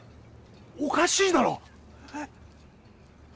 おかしいだろ？